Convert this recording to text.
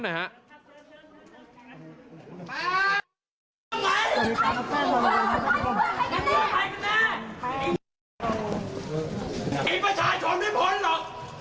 ไปไหนละ